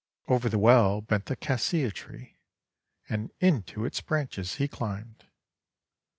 Over the well bent the Cassia Tree, and into its branches he climbed.